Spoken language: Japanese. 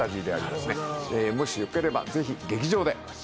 もしよければぜひ劇場で。